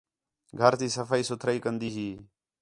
گھر تی صفائی سُتھرائی کندی ہی